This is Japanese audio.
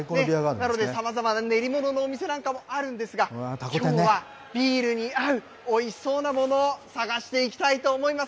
さまざまな練り物のお店なんかもあるんですが、きょうはビールに合うおいしそうなものを探していきたいと思います。